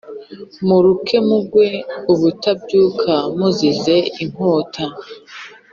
muruke mugwe ubutabyuka muzize inkota